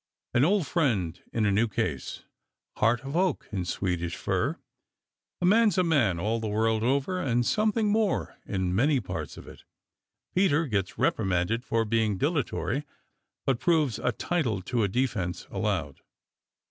AN OLD FRIEND IN A NEW CASE HEART OF OAK IN SWEDISH FIR A MAN'S A MAN, ALL THE WORLD OVER, AND SOMETHING MORE IN MANY PARTS OF IT PETER GETS REPRIMANDED FOR BEING DILATORY, BUT PROVES A TITLE TO A DEFENCE ALLOWED.